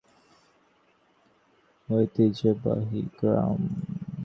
এটি ভুলতা আড়াইহাজার প্রধান রাস্তার বাঁ পাশের স্কুলসংলগ্ন একটি ঐতিহ্যবাহী গ্রাম।